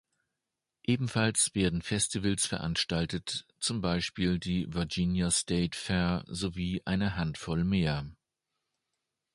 Ebenfalls werden Festivals veranstaltet, zum Beispiel die Virginia State Fair sowie eine Handvoll mehr.